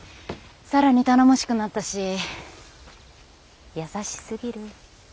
更に頼もしくなったし優しすぎる。